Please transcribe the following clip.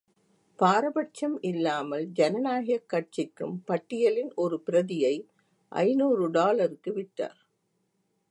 பாரபட்சம் இல்லாமல் ஜனநாயகக் கட்சிக்கும் பட்டியலின் ஒரு பிரதியை ஐநூறு டாலருக்கு விற்றார்.